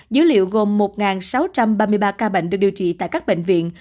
dữ liệu gồm một sáu trăm ba mươi ba ca bệnh được điều trị tại các bệnh viện